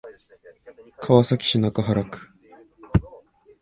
川崎市中原区